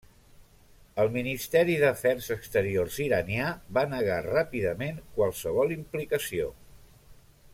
El Ministeri d'Afers Exteriors iranià va negar ràpidament qualsevol implicació.